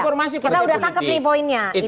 kita sudah tangkap nih poinnya